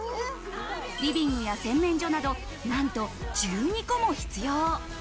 リビングや洗面所など、なんと１２個も必要。